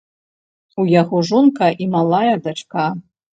У яго жонка і малая дачка.